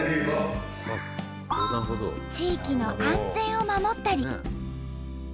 地域の安全を守ったり。